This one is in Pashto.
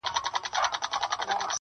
پر سر یې واوري اوروي پای یې ګلونه.!